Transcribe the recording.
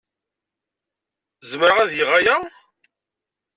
Zemreɣ ad geɣ aya?